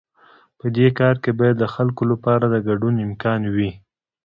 په دې کار کې باید د خلکو لپاره د ګډون امکان وي.